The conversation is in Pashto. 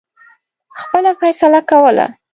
خپله فیصله کوله.